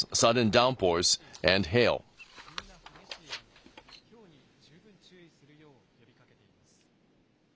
気象庁は、ひょうに十分注意するよう呼びかけています。